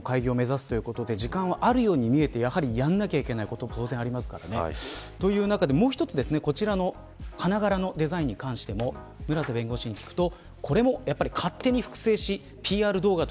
２０２９年秋に開業を目指すということで時間はあるように見えてやらないといけないことはありますからという中でもう一つ、こちらの花柄のデザインに関しても村瀬弁護士に聞きました。